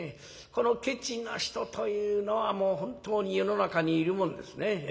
このケチな人というのは本当に世の中にいるもんですね。